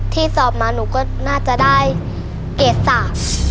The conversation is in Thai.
ที่สอบมาหนูก็น่าจะได้เกษา